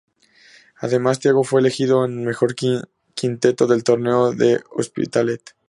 Además, Thiago fue elegido en el Mejor Quinteto del Torneo de L'Hospitalet.